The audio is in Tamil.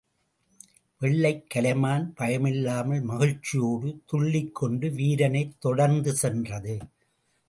வெள்ளைக் கலைமான் பயமில்லாமல் மகிழ்ச்சியோடு துள்ளிக் கொண்டு வீரனைத் தொடர்ந்து சென்றது.